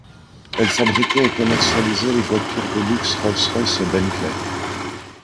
Elle fabriquait et commercialisait les voitures de luxe Rolls-Royce et Bentley.